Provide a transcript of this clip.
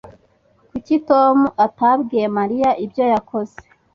Kuki Tom atabwiye Mariya ibyo yakoze?